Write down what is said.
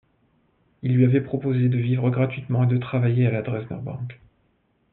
Il lui avait proposé de vivre gratuitement et de travailler à la Dresdner Bank.